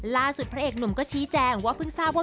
พระเอกหนุ่มก็ชี้แจงว่าเพิ่งทราบว่า